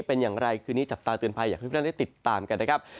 เป็นอย่างไรคือนี้จับตาตื่นไฟอยากให้พิธีพิธานได้ติดตามกันนะครับ